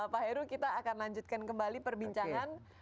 pak heru kita akan lanjutkan kembali perbincangan